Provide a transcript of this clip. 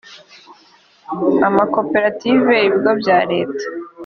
amakoperative ibigo bya leta